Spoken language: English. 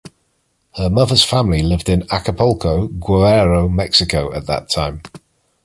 Her mother's family lived in Acapulco, Guerrero, Mexico at that time.